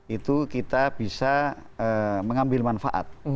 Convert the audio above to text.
itu kita bisa mengambil manfaat